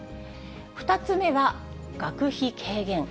２つ目は、学費軽減。